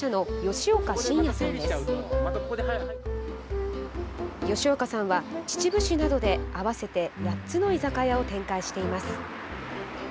吉岡さんは秩父市などで合わせて８つの居酒屋を展開しています。